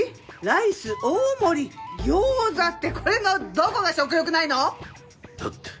ライス大盛り餃子ってこれのどこが食欲ないの？だって。